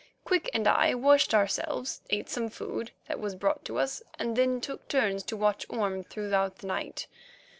Quick and I washed ourselves, ate some food that was brought to us, and then took turns to watch Orme throughout the night.